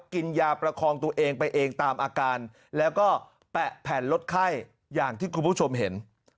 กินยาประคองตัวเองไปเองตามอาการแล้วก็แปะแผ่นลดไข้อย่างที่คุณผู้ชมเห็น